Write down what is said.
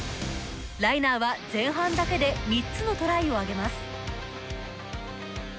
ライナーは前半だけで３つのトライを挙げます。